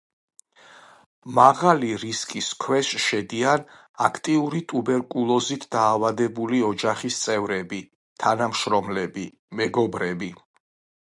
მაღალი რისკის ქვეშ შედიან აქტიური ტუბერკულოზით დაავადებული ოჯახის წევრები, თანამშრომლები, მეგობრები.